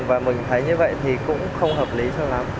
và mình thấy như vậy thì cũng không hợp lý cho nó